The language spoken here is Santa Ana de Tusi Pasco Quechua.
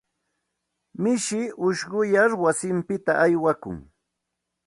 Mishi ushquyar wasinpita aywakun.